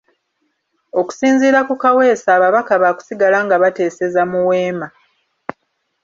Okusinziira ku Kaweesa ababaka baakusigala nga bateeseza mu weema